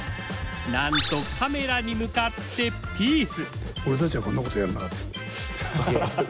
なんとカメラに向かってピース。